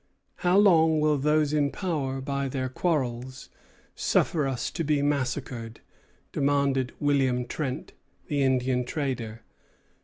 "How long will those in power, by their quarrels, suffer us to be massacred?" demanded William Trent, the Indian trader.